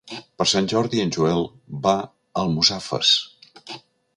Per Sant Jordi en Joel va a Almussafes.